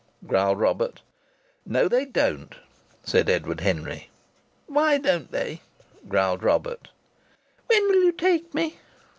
growled Robert. "No, they don't," said Edward Henry. "Why don't they?" growled Robert. "When will you take me?"